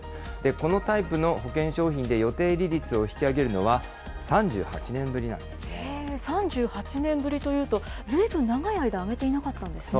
このタイプの保険商品で予定利率を引き上げるのは、３８年ぶりな３８年ぶりというと、ずいぶん長い間上げていなかったんですね。